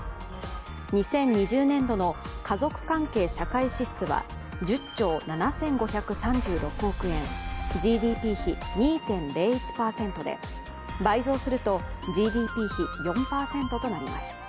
２０２０年度の家族関係社会支出は１０兆７５３６億円、ＧＤＰ比２．０１％で倍増するとＧＤＰ比４％となります。